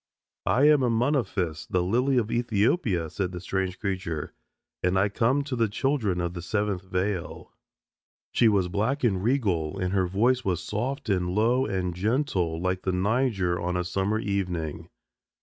"I am Amunophis, the Lily of Ethiopia," said the strange creature. "And I come to the children of the Seventh Veil." She was black and regal, and her voice was soft and low and gentle like the Niger on a summer evening.